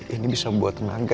ini bisa buat tenaga